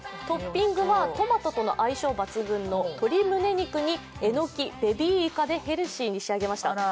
トッピングはトマトとの相性抜群の鶏胸肉にえのき、ベビーイカでヘルシーに仕上げました。